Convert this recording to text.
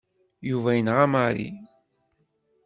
Yuba yenɣa Mary.